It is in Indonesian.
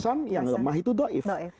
di bawahnya hasan yang lemah itu do'if